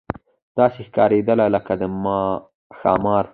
داسې ښکارېدله لکه د ښامار.